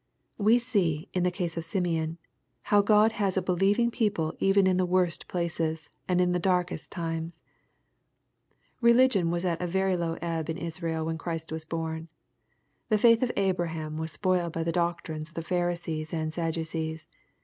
We see, in the case of Simeon, how Grod hcis a believing people even in the worst of places, and in the darkest times, Religion was at a very low ebb in Israel when Christ was bom. The faith of Abraham was spoiled by the doctrines of Pharisees and Sadducees.